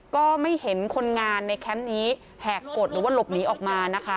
ก็ไม่เห็นคนงานในแคมป์นี้แหกกดหรือว่าหลบหนีออกมานะคะ